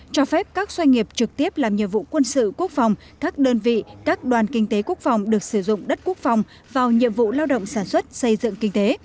cho phép các doanh nghiệp trực tiếp làm nhiệm vụ quân sự quốc phòng các đơn vị các đoàn kinh tế quốc phòng được sử dụng đất quốc phòng vào nhiệm vụ lao động sản xuất xây dựng kinh tế